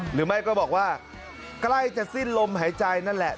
หรือไม่ก็บอกว่าใกล้จะสิ้นลมหายใจนั่นแหละ